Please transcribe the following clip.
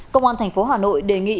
công an tp hà nội đề nghị